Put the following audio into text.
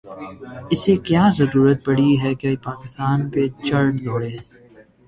اسے کیا ضرورت پڑی ہے کہ پاکستان پہ چڑھ دوڑے۔